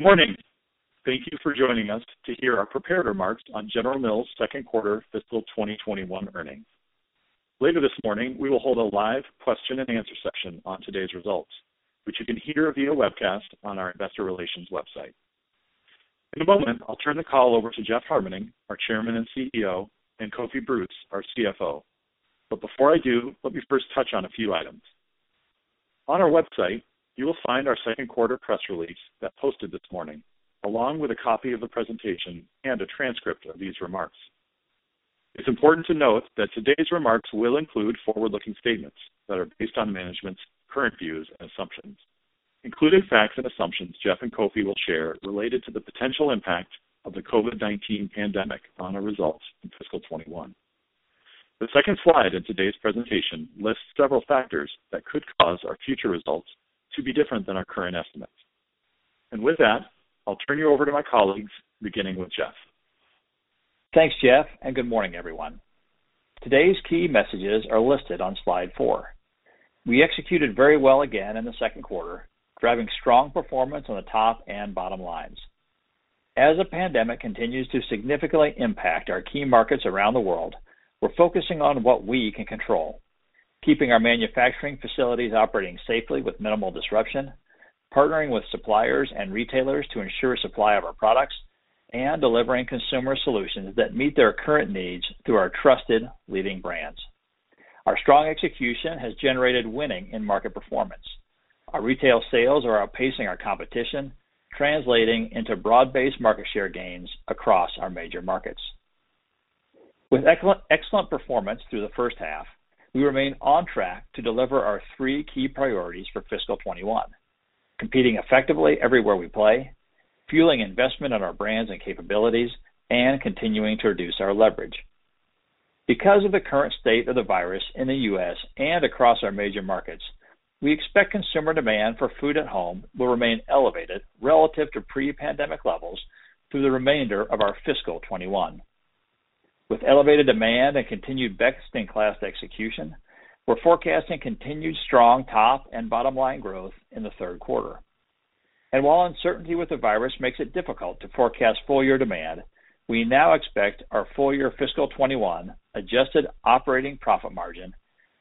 Good morning. Thank you for joining us to hear our prepared remarks on General Mills' second quarter fiscal 2021 earnings. Later this morning, we will hold a live question and answer session on today's results, which you can hear via webcast on our investor relations website. In a moment, I'll turn the call over to Jeff Harmening, our Chairman and CEO, and Kofi Bruce, our CFO. Before I do, let me first touch on a few items. On our website, you will find our second quarter press release that posted this morning, along with a copy of the presentation and a transcript of these remarks. It's important to note that today's remarks will include forward-looking statements that are based on management's current views and assumptions, including facts and assumptions Jeff and Kofi will share related to the potential impact of the COVID-19 pandemic on our results in fiscal 2021. The second slide in today's presentation lists several factors that could cause our future results to be different than our current estimates. With that, I'll turn you over to my colleagues, beginning with Jeff. Thanks, Jeff, and good morning, everyone. Today's key messages are listed on slide four. We executed very well again in the second quarter, driving strong performance on the top and bottom lines. As the pandemic continues to significantly impact our key markets around the world, we're focusing on what we can control, keeping our manufacturing facilities operating safely with minimal disruption, partnering with suppliers and retailers to ensure supply of our products, and delivering consumer solutions that meet their current needs through our trusted leading brands. Our strong execution has generated winning in market performance. Our retail sales are outpacing our competition, translating into broad-based market share gains across our major markets. With excellent performance through the first half, we remain on track to deliver our three key priorities for fiscal 2021: competing effectively everywhere we play, fueling investment in our brands and capabilities, and continuing to reduce our leverage. Because of the current state of the virus in the U.S. and across our major markets, we expect consumer demand for food at home will remain elevated relative to pre-pandemic levels through the remainder of our fiscal 2021. With elevated demand and continued best-in-class execution, we're forecasting continued strong top and bottom-line growth in the third quarter. While uncertainty with the virus makes it difficult to forecast full year demand, we now expect our full year fiscal 2021 adjusted operating profit margin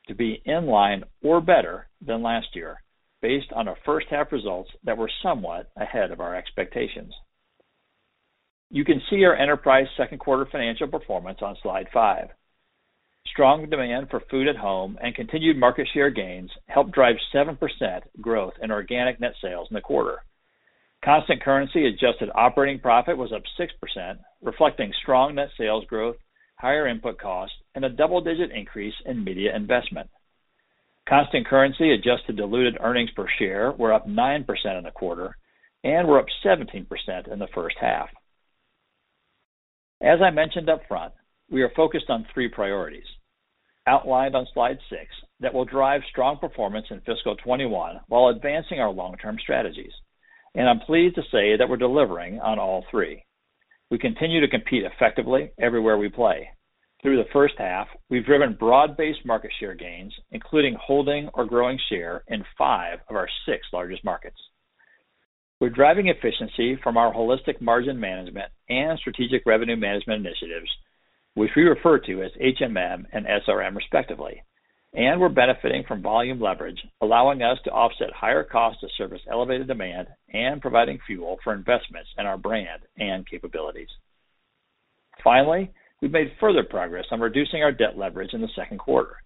to be in line or better than last year based on our first half results that were somewhat ahead of our expectations. You can see our enterprise second quarter financial performance on slide five. Strong demand for food at home and continued market share gains helped drive 7% growth in organic net sales in the quarter. Constant currency adjusted operating profit was up 6%, reflecting strong net sales growth, higher input costs, and a double-digit increase in media investment. Constant currency adjusted diluted earnings per share were up 9% in the quarter and were up 17% in the first half. As I mentioned up front, we are focused on three priorities outlined on slide six that will drive strong performance in fiscal 2021 while advancing our long-term strategies. I'm pleased to say that we're delivering on all three. We continue to compete effectively everywhere we play. Through the first half, we've driven broad-based market share gains, including holding or growing share in five of our six largest markets. We're driving efficiency from our Holistic Margin Management and Strategic Revenue Management initiatives, which we refer to as HMM and SRM respectively, and we're benefiting from volume leverage, allowing us to offset higher costs to service elevated demand and providing fuel for investments in our brand and capabilities. Finally, we've made further progress on reducing our debt leverage in the second quarter.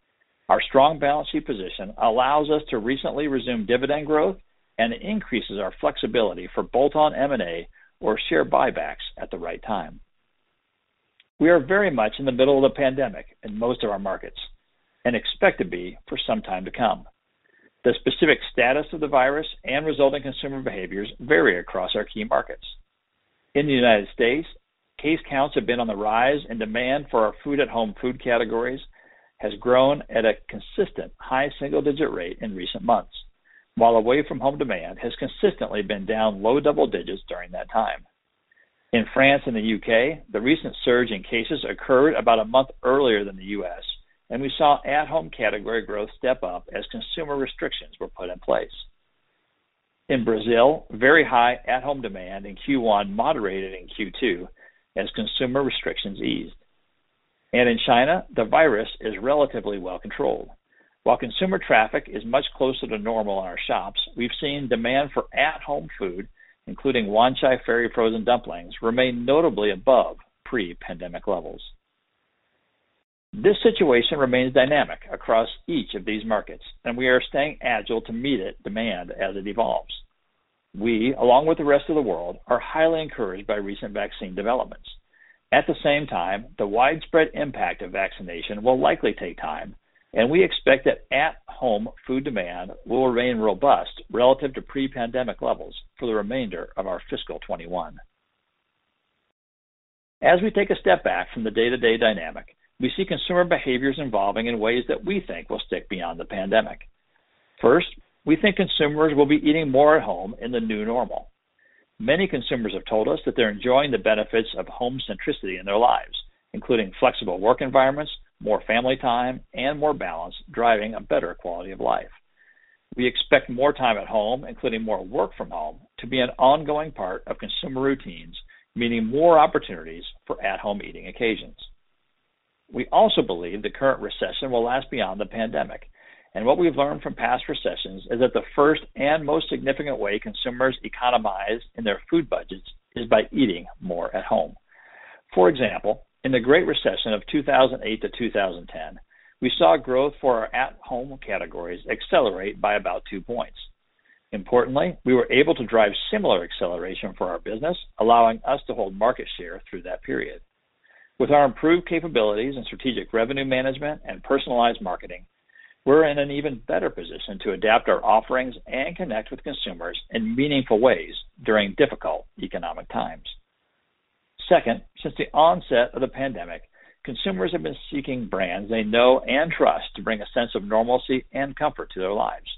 Our strong balance sheet position allows us to recently resume dividend growth and increases our flexibility for bolt-on M&A or share buybacks at the right time. We are very much in the middle of the pandemic in most of our markets and expect to be for some time to come. The specific status of the virus and resulting consumer behaviors vary across our key markets. In the United States, case counts have been on the rise, and demand for our food-at-home food categories has grown at a consistent high single-digit rate in recent months. While away-from-home demand has consistently been down low double-digits during that time. In France and the U.K., the recent surge in cases occurred about a month earlier than the U.S., and we saw at-home category growth step up as consumer restrictions were put in place. In Brazil, very high at-home demand in Q1 moderated in Q2 as consumer restrictions eased. In China, the virus is relatively well controlled. While consumer traffic is much closer to normal in our shops, we've seen demand for at-home food, including Wanchai Ferry frozen dumplings, remain notably above pre-pandemic levels. This situation remains dynamic across each of these markets, and we are staying agile to meet demand as it evolves. We, along with the rest of the world, are highly encouraged by recent vaccine developments. At the same time, the widespread impact of vaccination will likely take time, and we expect that at-home food demand will remain robust relative to pre-pandemic levels for the remainder of our fiscal 2021. As we take a step back from the day-to-day dynamic, we see consumer behaviors evolving in ways that we think will stick beyond the pandemic. First, we think consumers will be eating more at home in the new normal. Many consumers have told us that they're enjoying the benefits of home centricity in their lives, including flexible work environments, more family time, and more balance, driving a better quality of life. We expect more time at home, including more work from home, to be an ongoing part of consumer routines, meaning more opportunities for at-home eating occasions. We also believe the current recession will last beyond the pandemic, and what we've learned from past recessions is that the first and most significant way consumers economize in their food budgets is by eating more at home. For example, in the Great Recession of 2008-2010, we saw growth for our at-home categories accelerate by about 2 points. Importantly, we were able to drive similar acceleration for our business, allowing us to hold market share through that period. With our improved capabilities in Strategic Revenue Management and personalized marketing, we're in an even better position to adapt our offerings and connect with consumers in meaningful ways during difficult economic times. Second, since the onset of the pandemic, consumers have been seeking brands they know and trust to bring a sense of normalcy and comfort to their lives.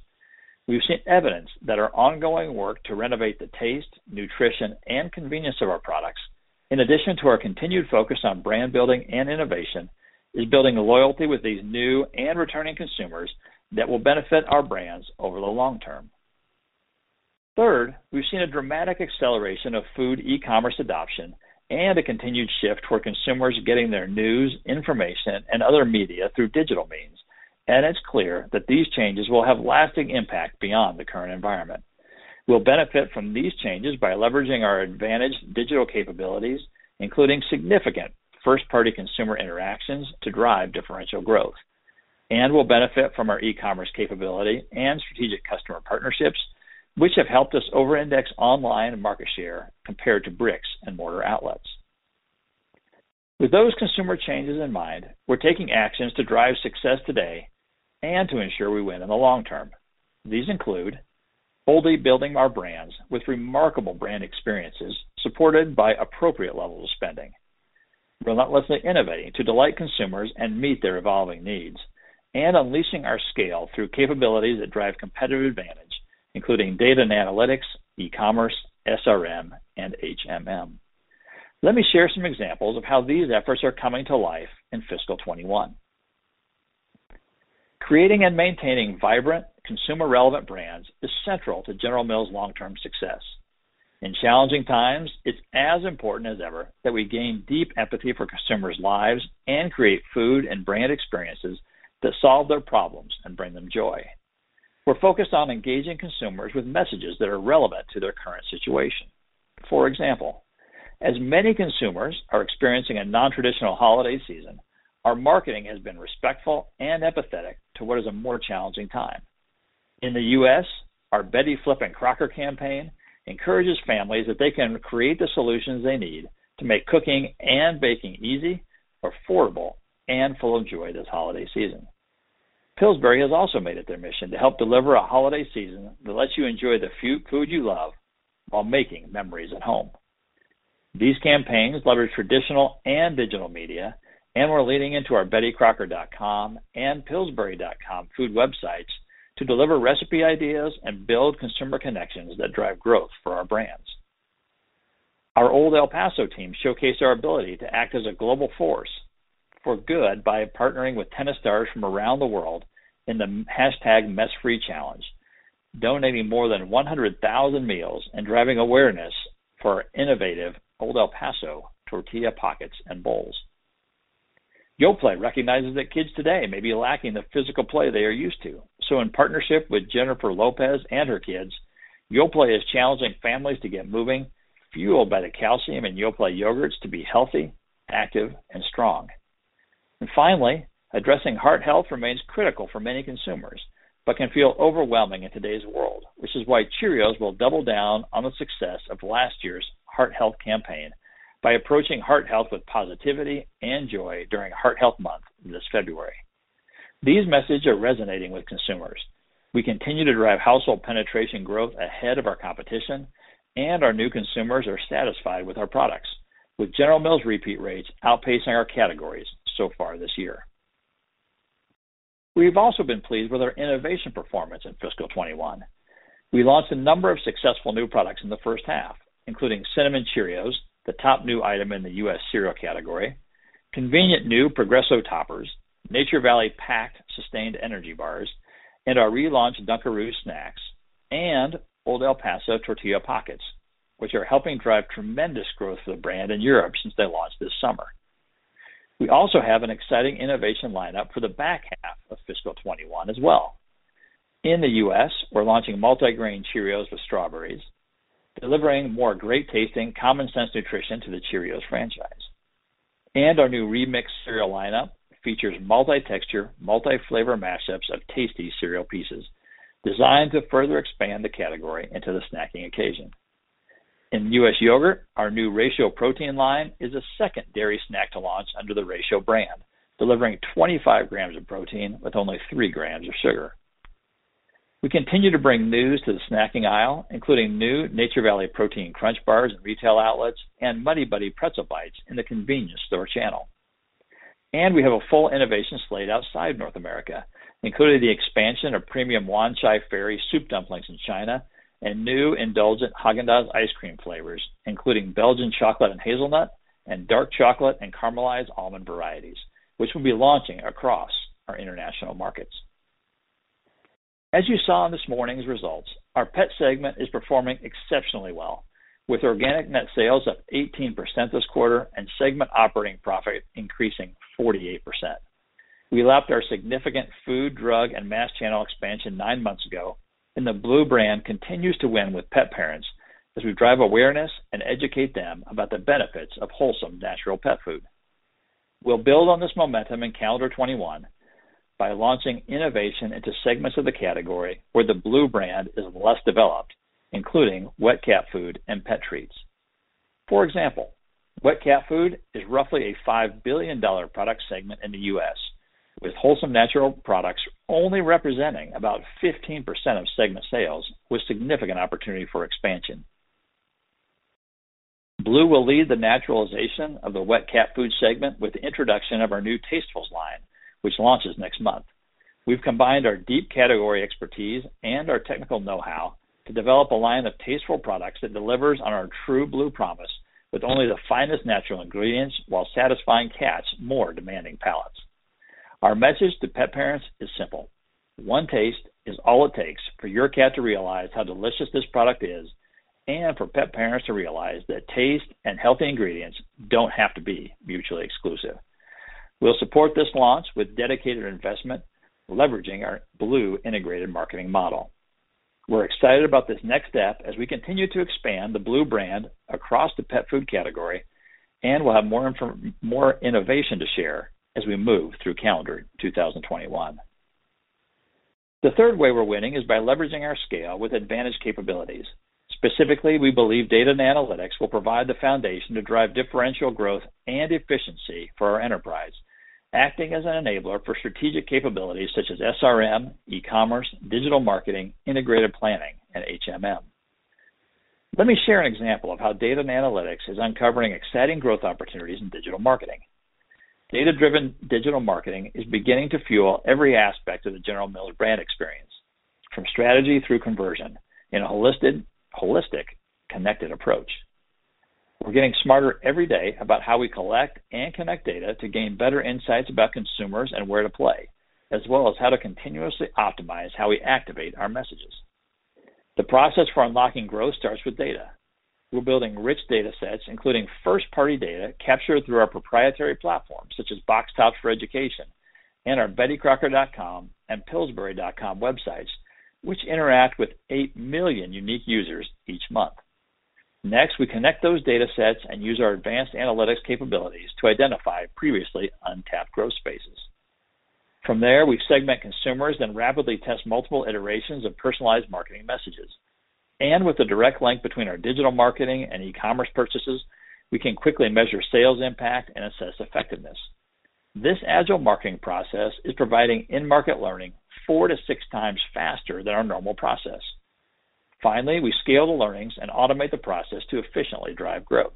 We've seen evidence that our ongoing work to renovate the taste, nutrition, and convenience of our products, in addition to our continued focus on brand building and innovation, is building a loyalty with these new and returning consumers that will benefit our brands over the long term. Third, we've seen a dramatic acceleration of food e-commerce adoption and a continued shift toward consumers getting their news, information, and other media through digital means. It's clear that these changes will have lasting impact beyond the current environment. We'll benefit from these changes by leveraging our advantaged digital capabilities, including significant first-party consumer interactions to drive differential growth. We'll benefit from our e-commerce capability and strategic customer partnerships, which have helped us over-index online and market share compared to bricks and mortar outlets. With those consumer changes in mind, we're taking actions to drive success today and to ensure we win in the long term. These include boldly building our brands with remarkable brand experiences supported by appropriate levels of spending, relentlessly innovating to delight consumers and meet their evolving needs, and unleashing our scale through capabilities that drive competitive advantage, including data and analytics, e-commerce, SRM, and HMM. Let me share some examples of how these efforts are coming to life in fiscal 2021. Creating and maintaining vibrant, consumer-relevant brands is central to General Mills' long-term success. In challenging times, it's as important as ever that we gain deep empathy for consumers' lives and create food and brand experiences that solve their problems and bring them joy. We're focused on engaging consumers with messages that are relevant to their current situation. For example, as many consumers are experiencing a non-traditional holiday season, our marketing has been respectful and empathetic to what is a more challenging time. In the U.S., our Betty Crocker campaign encourages families that they can create the solutions they need to make cooking and baking easy, affordable, and full of joy this holiday season. Pillsbury has also made it their mission to help deliver a holiday season that lets you enjoy the food you love while making memories at home. We're leaning into our bettycrocker.com and pillsbury.com food websites to deliver recipe ideas and build consumer connections that drive growth for our brands. Our Old El Paso team showcased our ability to act as a global force for good by partnering with tennis stars from around the world in the #MessFreeChallenge, donating more than 100,000 meals and driving awareness for our innovative Old El Paso Tortilla Pockets and bowls. Yoplait recognizes that kids today may be lacking the physical play they are used to. In partnership with Jennifer Lopez and her kids, Yoplait is challenging families to get moving, fueled by the calcium in Yoplait yogurts to be healthy, active, and strong. Finally, addressing heart health remains critical for many consumers, but can feel overwhelming in today's world, which is why Cheerios will double down on the success of last year's heart health campaign by approaching heart health with positivity and joy during Heart Health Month this February. These messages are resonating with consumers. We continue to drive household penetration growth ahead of our competition. Our new consumers are satisfied with our products, with General Mills repeat rates outpacing our categories so far this year. We've also been pleased with our innovation performance in fiscal 2021. We launched a number of successful new products in the first half, including Cinnamon Cheerios, the top new item in the U.S. cereal category; convenient new Progresso Toppers; Nature Valley Packed Sustained Energy Bar; and our relaunched Dunkaroos snacks; and Old El Paso Tortilla Pockets, which are helping drive tremendous growth for the brand in Europe since they launched this summer. We also have an exciting innovation lineup for the back half of fiscal 2021 as well. In the U.S., we're launching Multi Grain Cheerios with strawberries, delivering more great-tasting, common-sense nutrition to the Cheerios franchise. Our new Remix cereal lineup features multi-texture, multi-flavor mashups of tasty cereal pieces designed to further expand the category into the snacking occasion. In U.S. yogurt, our new :ratio PROTEIN line is the second dairy snack to launch under the :ratio brand, delivering 25 g of protein with only 3 g of sugar. We continue to bring news to the snacking aisle, including new Nature Valley Protein Crunch bars in retail outlets and Muddy Buddies pretzel bites in the convenience store channel. We have a full innovation slate outside North America, including the expansion of premium Wanchai Ferry soup dumplings in China, and new indulgent Häagen-Dazs ice cream flavors, including Belgian chocolate and hazelnut, and dark chocolate and caramelized almond varieties, which we'll be launching across our international markets. As you saw in this morning's results, our pet segment is performing exceptionally well, with organic net sales up 18% this quarter and segment operating profit increasing 48%. The BLUE brand continues to win with pet parents as we drive awareness and educate them about the benefits of wholesome natural pet food. We'll build on this momentum in calendar 2021 by launching innovation into segments of the category where the BLUE brand is less developed, including wet cat food and pet treats. For example, wet cat food is roughly a $5 billion product segment in the U.S., with wholesome natural products only representing about 15% of segment sales, with significant opportunity for expansion. BLUE will lead the naturalization of the wet cat food segment with the introduction of our new Tastefuls line, which launches next month. We've combined our deep category expertise and our technical know-how to develop a line of Tasteful products that delivers on our true BLUE promise with only the finest natural ingredients, while satisfying cats' more demanding palates. Our message to pet parents is simple: one taste is all it takes for your cat to realize how delicious this product is, and for pet parents to realize that taste and healthy ingredients don't have to be mutually exclusive. We'll support this launch with dedicated investment, leveraging our BLUE integrated marketing model. We're excited about this next step as we continue to expand the BLUE brand across the pet food category, and we'll have more innovation to share as we move through calendar 2021. The third way we're winning is by leveraging our scale with advantage capabilities. Specifically, we believe data and analytics will provide the foundation to drive differential growth and efficiency for our enterprise, acting as an enabler for strategic capabilities such as SRM, e-commerce, digital marketing, integrated planning, and HMM. Let me share an example of how data and analytics is uncovering exciting growth opportunities in digital marketing. Data-driven digital marketing is beginning to fuel every aspect of the General Mills brand experience, from strategy through conversion, in a holistic, connected approach. We're getting smarter every day about how we collect and connect data to gain better insights about consumers and where to play, as well as how to continuously optimize how we activate our messages. The process for unlocking growth starts with data. We're building rich data sets, including first-party data captured through our proprietary platform, such as Box Tops for Education and our bettycrocker.com and pillsbury.com websites, which interact with eight million unique users each month. Next, we connect those data sets and use our advanced analytics capabilities to identify previously untapped growth spaces. From there, we segment consumers, then rapidly test multiple iterations of personalized marketing messages. With the direct link between our digital marketing and e-commerce purchases, we can quickly measure sales impact and assess effectiveness. This agile marketing process is providing in-market learning 4x-6x faster than our normal process. Finally, we scale the learnings and automate the process to efficiently drive growth.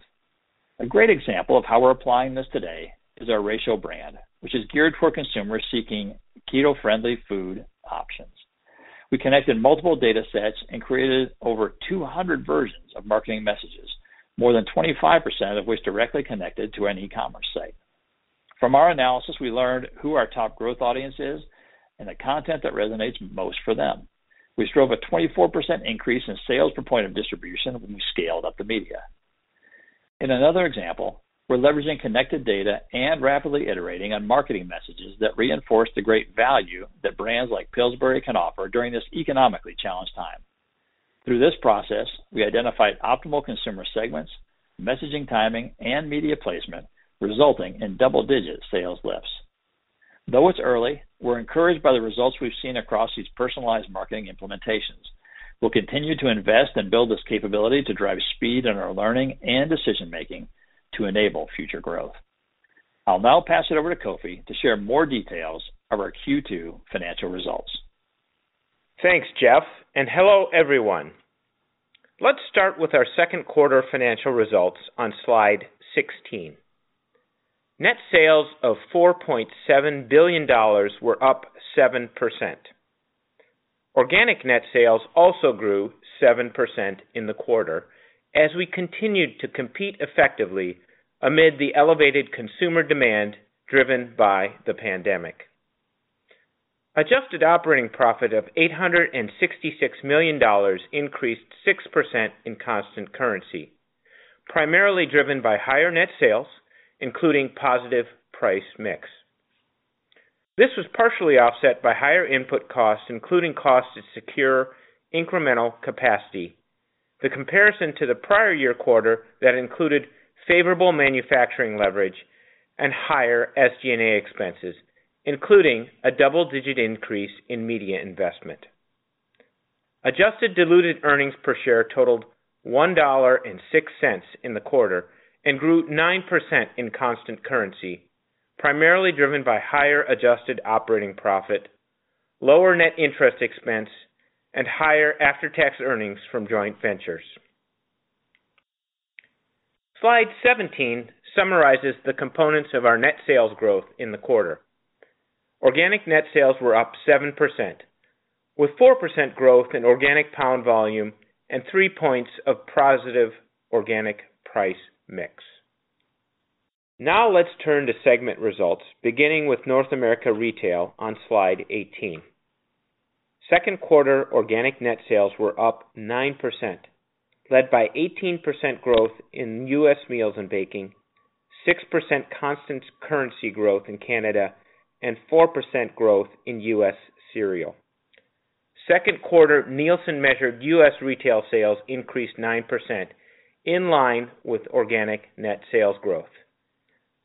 A great example of how we're applying this today is our :ratio brand, which is geared toward consumers seeking keto-friendly food options. We connected multiple data sets and created over 200 versions of marketing messages, more than 25% of which directly connected to an e-commerce site. From our analysis, we learned who our top growth audience is and the content that resonates most for them. We drove a 24% increase in sales per point of distribution when we scaled up the media. In another example, we're leveraging connected data and rapidly iterating on marketing messages that reinforce the great value that brands like Pillsbury can offer during this economically challenged time. Through this process, we identified optimal consumer segments, messaging timing, and media placement, resulting in double-digit sales lifts. Though it's early, we're encouraged by the results we've seen across these personalized marketing implementations. We'll continue to invest and build this capability to drive speed in our learning and decision-making to enable future growth. I'll now pass it over to Kofi to share more details of our Q2 financial results. Thanks, Jeff, and hello, everyone. Let's start with our second quarter financial results on slide 16. Net sales of $4.7 billion were up 7%. Organic net sales also grew 7% in the quarter as we continued to compete effectively amid the elevated consumer demand driven by the pandemic. Adjusted operating profit of $866 million increased 6% in constant currency, primarily driven by higher net sales, including positive price mix. This was partially offset by higher input costs, including costs to secure incremental capacity, the comparison to the prior year quarter that included favorable manufacturing leverage and higher SG&A expenses, including a double-digit increase in media investment. Adjusted diluted earnings per share totaled $1.06 in the quarter, and grew 9% in constant currency, primarily driven by higher adjusted operating profit, lower net interest expense, and higher after-tax earnings from joint ventures. Slide 17 summarizes the components of our net sales growth in the quarter. Organic net sales were up 7%, with 4% growth in organic pound volume and 3 points of positive organic price mix. Now let's turn to segment results, beginning with North America Retail on slide 18. Second quarter organic net sales were up 9%, led by 18% growth in U.S. meals and baking, 6% constant currency growth in Canada, and 4% growth in U.S. cereal. Second quarter Nielsen-measured U.S. retail sales increased 9%, in line with organic net sales growth.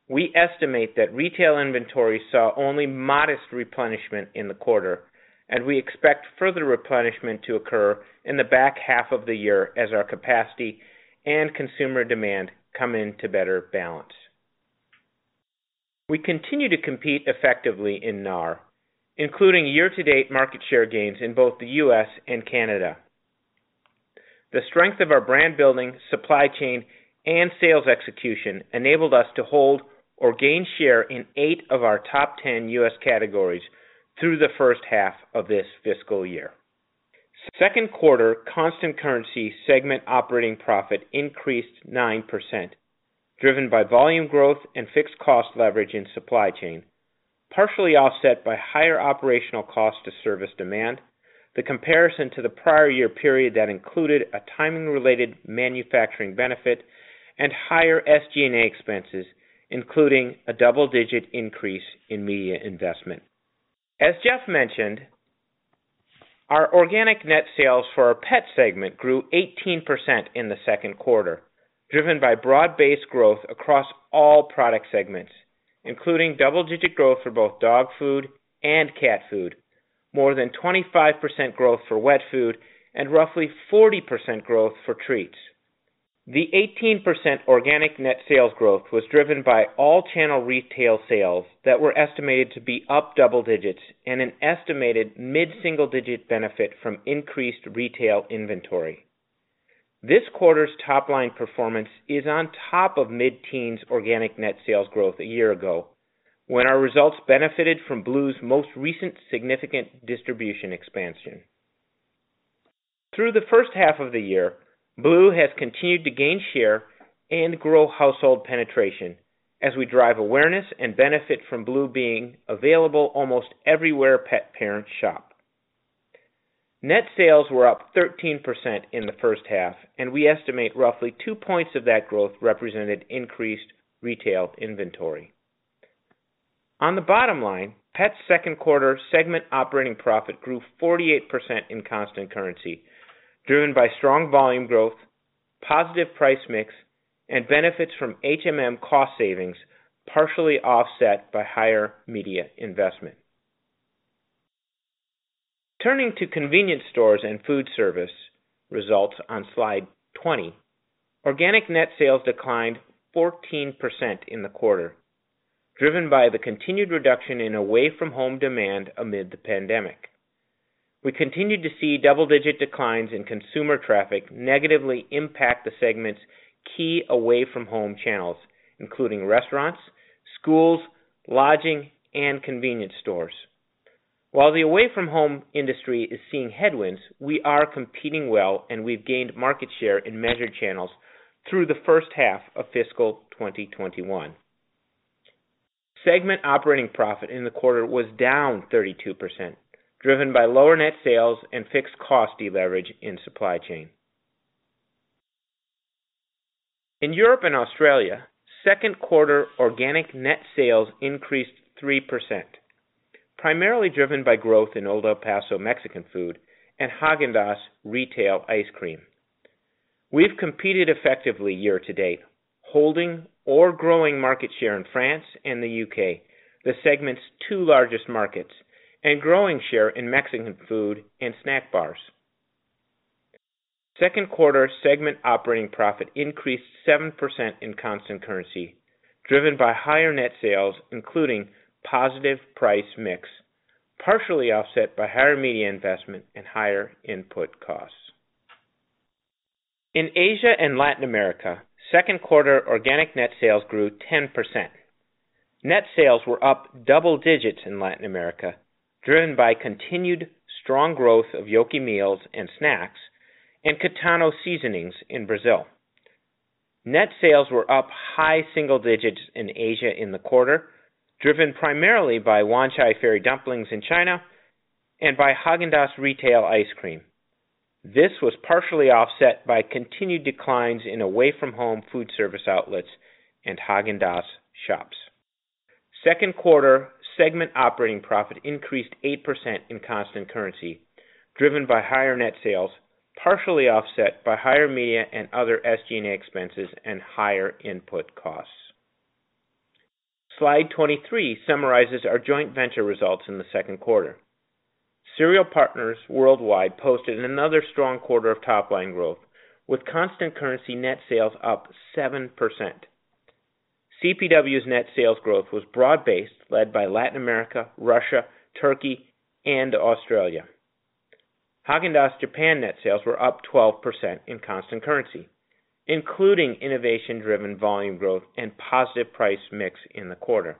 We estimate that retail inventory saw only modest replenishment in the quarter, and we expect further replenishment to occur in the back half of the year as our capacity and consumer demand come into better balance. We continue to compete effectively in NAR, including year-to-date market share gains in both the U.S. and Canada. The strength of our brand-building, supply chain, and sales execution enabled us to hold or gain share in eight of our top 10 U.S. categories through the first half of this fiscal year. Second quarter constant currency segment operating profit increased 9%, driven by volume growth and fixed cost leverage in supply chain, partially offset by higher operational cost to service demand, the comparison to the prior year period that included a timing-related manufacturing benefit, and higher SG&A expenses, including a double-digit increase in media investment. As Jeff mentioned, our organic net sales for our pet segment grew 18% in the second quarter, driven by broad-based growth across all product segments, including double-digit growth for both dog food and cat food, more than 25% growth for wet food, and roughly 40% growth for treats. The 18% organic net sales growth was driven by all channel retail sales that were estimated to be up double digits and an estimated mid-single-digit benefit from increased retail inventory. This quarter's top-line performance is on top of mid-teens organic net sales growth a year ago, when our results benefited from BLUE's most recent significant distribution expansion. Through the first half of the year, BLUE has continued to gain share and grow household penetration as we drive awareness and benefit from BLUE being available almost everywhere pet parents shop. Net sales were up 13% in the first half, and we estimate roughly two points of that growth represented increased retail inventory. On the bottom line, Pet's second quarter segment operating profit grew 48% in constant currency, driven by strong volume growth, positive price mix, and benefits from HMM cost savings, partially offset by higher media investment. Turning to convenience stores and Foodservice results on slide 20, organic net sales declined 14% in the quarter, driven by the continued reduction in away-from-home demand amid the pandemic. We continued to see double-digit declines in consumer traffic negatively impact the segment's key away-from-home channels, including restaurants, schools, lodging, and convenience stores. While the away-from-home industry is seeing headwinds, we are competing well, and we've gained market share in measured channels through the first half of fiscal 2021. Segment operating profit in the quarter was down 32%, driven by lower net sales and fixed cost deleverage in supply chain. In Europe and Australia, second quarter organic net sales increased 3%, primarily driven by growth in Old El Paso Mexican food and Häagen-Dazs retail ice cream. We've competed effectively year to date, holding or growing market share in France and the U.K., the segment's two largest markets, and growing share in Mexican food and snack bars. Second quarter segment operating profit increased 7% in constant currency, driven by higher net sales, including positive price mix, partially offset by higher media investment and higher input costs. In Asia and Latin America, second quarter organic net sales grew 10%. Net sales were up double digits in Latin America, driven by continued strong growth of Yoki meals and snacks and Kitano seasonings in Brazil. Net sales were up high single digits in Asia in the quarter, driven primarily by Wanchai Ferry dumplings in China and by Häagen-Dazs retail ice cream. This was partially offset by continued declines in away-from-home food service outlets and Häagen-Dazs shops. Second quarter segment operating profit increased 8% in constant currency, driven by higher net sales, partially offset by higher media and other SG&A expenses and higher input costs. Slide 23 summarizes our joint venture results in the second quarter. Cereal Partners Worldwide posted another strong quarter of top-line growth, with constant currency net sales up 7%. CPW's net sales growth was broad-based, led by Latin America, Russia, Turkey, and Australia. Häagen-Dazs Japan net sales were up 12% in constant currency, including innovation-driven volume growth and positive price mix in the quarter.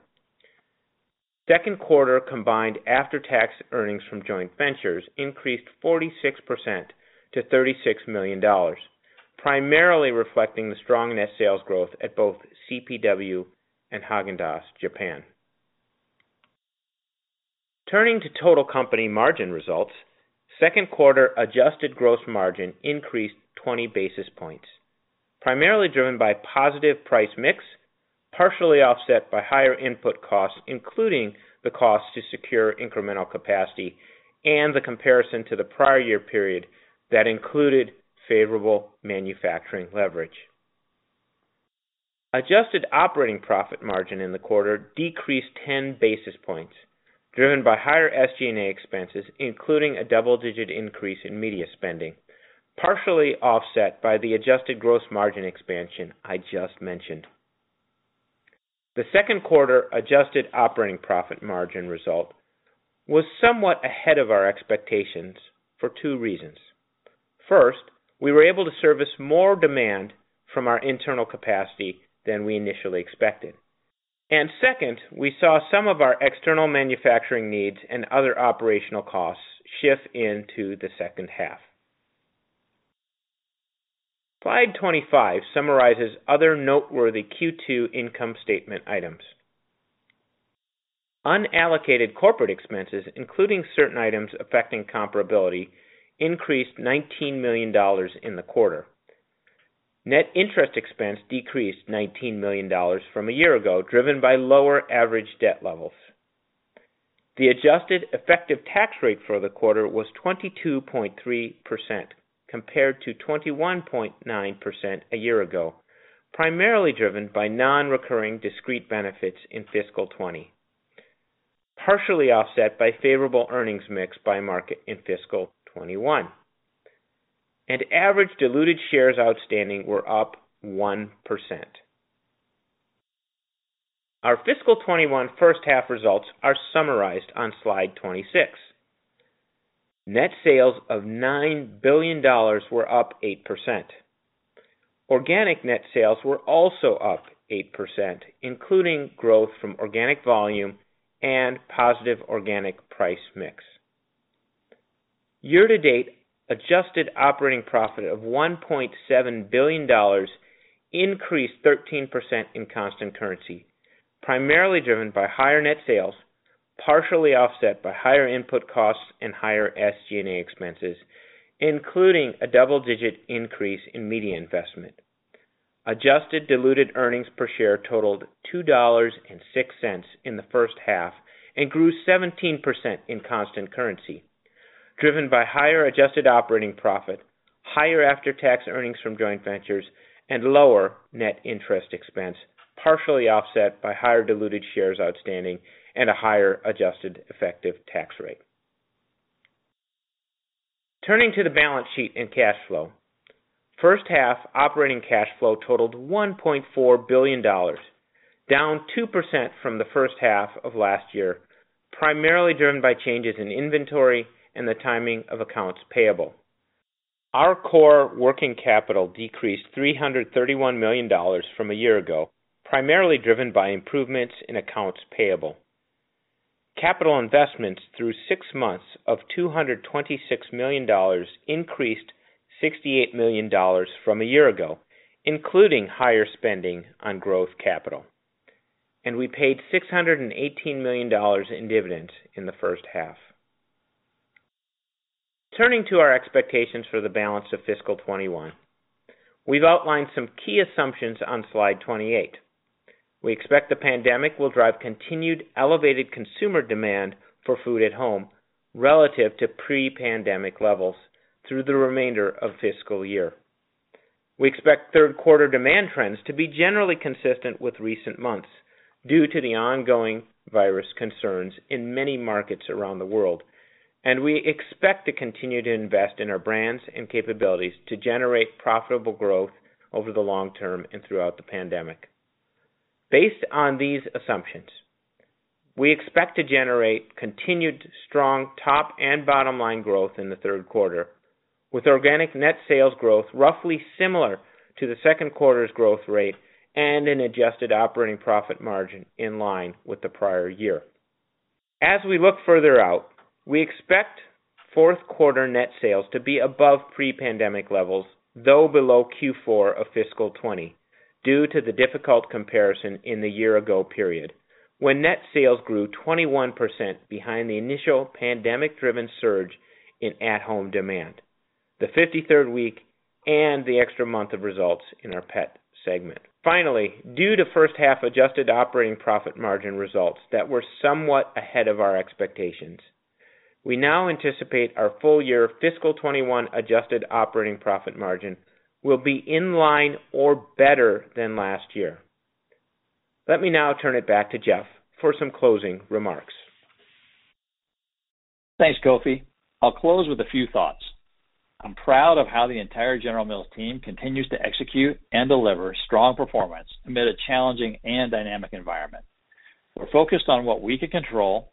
Second quarter combined after-tax earnings from joint ventures increased 46% to $36 million, primarily reflecting the strong organic net sales growth at both CPW and Häagen-Dazs Japan. Turning to total company margin results, second quarter adjusted gross margin increased 20 basis points, primarily driven by positive price mix, partially offset by higher input costs, including the cost to secure incremental capacity and the comparison to the prior year period that included favorable manufacturing leverage. Adjusted operating profit margin in the quarter decreased 10 basis points, driven by higher SG&A expenses, including a double-digit increase in media spending, partially offset by the adjusted gross margin expansion I just mentioned. The second quarter adjusted operating profit margin result was somewhat ahead of our expectations for two reasons. First, we were able to service more demand from our internal capacity than we initially expected. Second, we saw some of our external manufacturing needs and other operational costs shift into the second half. Slide 25 summarizes other noteworthy Q2 income statement items. Unallocated corporate expenses, including certain items affecting comparability, increased $19 million in the quarter. Net interest expense decreased $19 million from a year ago, driven by lower average debt levels. The adjusted effective tax rate for the quarter was 22.3% compared to 21.9% a year ago, primarily driven by non-recurring discrete benefits in fiscal 2020, partially offset by favorable earnings mix by market in fiscal 2021. Average diluted shares outstanding were up 1%. Our fiscal 2021 first-half results are summarized on slide 26. Net sales of $9 billion were up 8%. Organic net sales were also up 8%, including growth from organic volume and positive organic price mix. Year-to-date adjusted operating profit of $1.7 billion increased 13% in constant currency, primarily driven by higher net sales, partially offset by higher input costs and higher SG&A expenses, including a double-digit increase in media investment. Adjusted diluted earnings per share totaled $2.06 in the first half and grew 17% in constant currency, driven by higher adjusted operating profit, higher after-tax earnings from joint ventures, and lower net interest expense, partially offset by higher diluted shares outstanding and a higher adjusted effective tax rate. Turning to the balance sheet and cash flow, first-half operating cash flow totaled $1.4 billion, down 2% from the first half of last year, primarily driven by changes in inventory and the timing of accounts payable. Our core working capital decreased $331 million from a year ago, primarily driven by improvements in accounts payable. Capital investments through six months of $226 million increased $68 million from a year ago, including higher spending on growth capital. We paid $618 million in dividends in the first half. Turning to our expectations for the balance of fiscal 2021, we've outlined some key assumptions on slide 28. We expect the pandemic will drive continued elevated consumer demand for food at home relative to pre-pandemic levels through the remainder of the fiscal year. We expect third quarter demand trends to be generally consistent with recent months due to the ongoing virus concerns in many markets around the world, and we expect to continue to invest in our brands and capabilities to generate profitable growth over the long term and throughout the pandemic. Based on these assumptions, we expect to generate continued strong top and bottom-line growth in the third quarter, with organic net sales growth roughly similar to the second quarter's growth rate and an adjusted operating profit margin in line with the prior year. As we look further out, we expect fourth quarter net sales to be above pre-pandemic levels, though below Q4 of fiscal 2020 due to the difficult comparison in the year-ago period, when net sales grew 21% behind the initial pandemic-driven surge in at-home demand, the 53rd week and the extra month of results in our pet segment. Finally, due to first-half adjusted operating profit margin results that were somewhat ahead of our expectations, we now anticipate our full-year fiscal 2021 adjusted operating profit margin will be in line or better than last year. Let me now turn it back to Jeff for some closing remarks. Thanks, Kofi. I'll close with a few thoughts. I'm proud of how the entire General Mills team continues to execute and deliver strong performance amid a challenging and dynamic environment. We're focused on what we can control,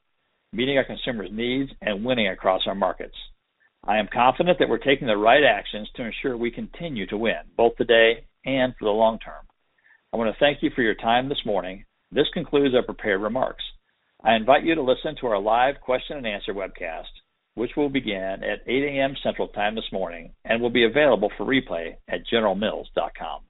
meeting our consumers' needs, and winning across our markets. I am confident that we're taking the right actions to ensure we continue to win, both today and for the long term. I want to thank you for your time this morning. This concludes our prepared remarks. I invite you to listen to our live question and answer webcast, which will begin at 8:00 A.M. Central Time this morning and will be available for replay at generalmills.com.